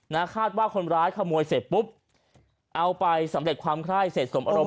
คาดว่าคนร้ายขโมยเสร็จปุ๊บเอาไปสำเร็จความไคร้เสร็จสมอารมณ